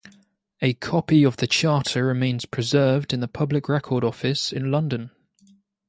A copy of the charter remains preserved in the Public Record Office in London.